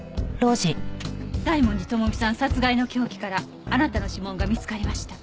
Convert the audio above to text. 大文字智美さん殺害の凶器からあなたの指紋が見つかりました。